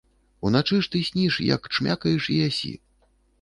Уначы ж ты сніш, як чмякаеш і ясі.